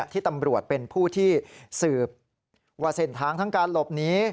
ที่ตำรวจเป็นผู้ที่สืบว่าเส้นทางทั้งการหลบหนี